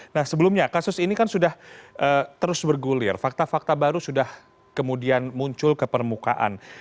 nah sebelumnya kasus ini kan sudah terus bergulir fakta fakta baru sudah kemudian muncul ke permukaan